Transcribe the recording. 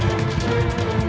ya allah ya allah